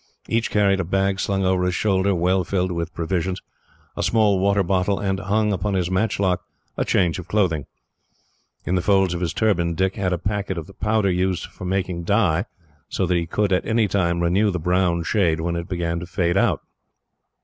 Each carried a bag slung over his shoulder, well filled with provisions, a small water bottle, and, hung upon his matchlock, a change of clothing. In the folds of his turban, Dick had a packet of the powder used for making dye, so that he could, at any time, renew the brown shade, when it began to fade out.